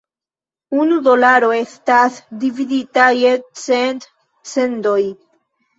Unu dolaro estas dividita je cent "cendoj".